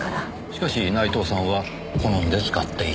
しかし内藤さんは好んで使っていた。